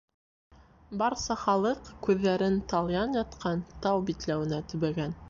Барса халыҡ күҙҙәрен Талйән ятҡан тау битләүенә төбәгән.